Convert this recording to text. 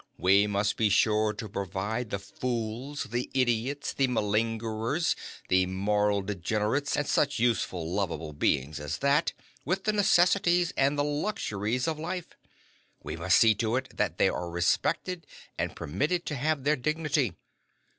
We must be sure to provide the fools, the idiots, the malingerers, the moral degenerates, and such useful, lovable beings as that with the necessities and the luxuries of life. We must see to it that they are respected and permitted to have their dignity.